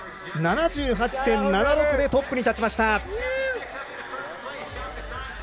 ７８．７６でトップに立ちました。